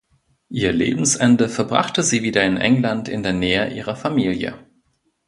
Ihr Lebensende verbrachte sie wieder in England in der Nähe ihrer Familie.